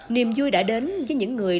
niềm vui đã đến với những người